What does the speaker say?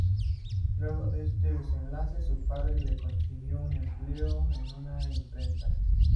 Luego de este desenlace, su padre le consiguió un empleo en una imprenta.